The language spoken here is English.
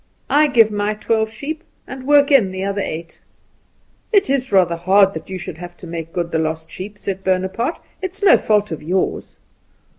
I give my twelve sheep, and work in the other eight." "It is rather hard that you should have to make good the lost sheep," said Bonaparte; "it is no fault of yours."